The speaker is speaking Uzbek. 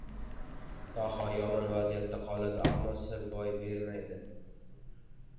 Daho yomon vaziyatda qoldi. Ammo sir boy bermadi.